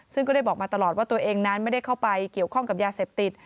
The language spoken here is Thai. ซึ่งก็ได้บอกมาตลอดว่าตัวเองนั้นไม่ได้เข้าไปเกี่ยวข้องกับยาเสพติด